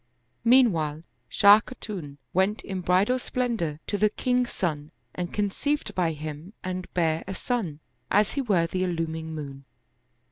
Meanwhile Shah Khatun went in bridal splendor to the king's son and conceived by him and bare a son, as he were the illuming moon.